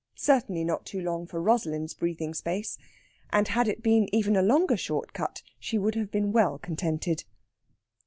Certainly not too long for Rosalind's breathing space, and had it been even a longer short cut she would have been well contented.